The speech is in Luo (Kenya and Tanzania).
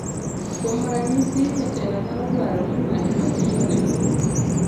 kuom ranyisi, jatelo nyalo dwaro ni ng'at ma tiyone